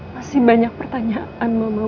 masih banyak pertanyaan mama